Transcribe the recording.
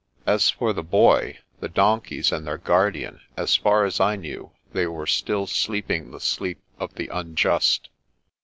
As for the boy, the donkeys, and their guardian, as far as I knew they were still sleeping the sleep of the unjust.